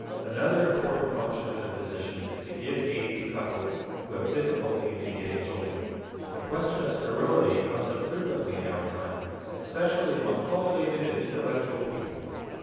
Another important function of the physician is to give aid to couples who have difficulty in begetting children. The question of sterility comes up frequently in our time, especially among cultivated and intellectual people.